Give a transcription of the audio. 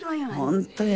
本当よ。